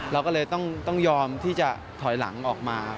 เราก็เลยต้องยอมที่จะถอยหลังออกมา